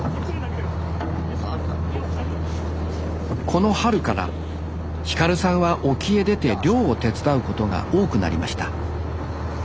この春から輝さんは沖へ出て漁を手伝うことが多くなりました